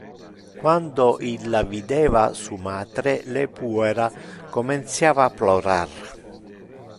Quando illa videva su matre, le puera comenciava a plorar.